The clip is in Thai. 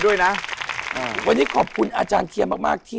วันนี้ขอบคุณอาจารย์เทียมมาก